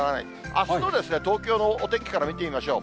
あすの東京のお天気から見てみましょう。